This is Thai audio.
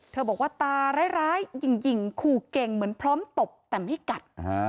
บอกว่าตาร้ายหญิงขู่เก่งเหมือนพร้อมตบแต่ไม่กัด